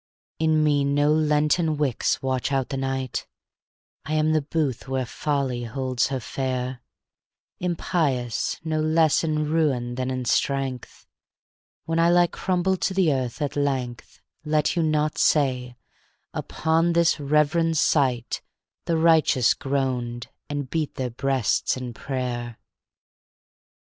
In me no lenten wicks watch out the night; I am the booth where Folly holds her fair; Impious no less in ruin than in strength, When I lie crumbled to the earth at length, Let you not say, "Upon this reverend site The righteous groaned and beat their breasts in prayer."